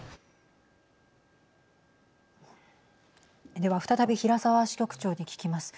では再び平沢支局長に聞きます。